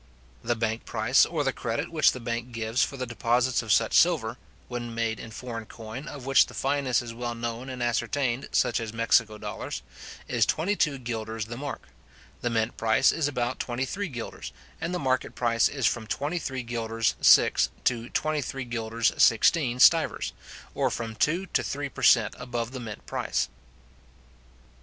The bank price, or the credit which the bank gives for the deposits of such silver (when made in foreign coin, of which the fineness is well known and ascertained, such as Mexico dollars), is twenty two guilders the mark: the mint price is about twenty three guilders, and the market price is from twenty three guilders six, to twenty three guilders sixteen stivers, or from two to three per cent. above the mint price.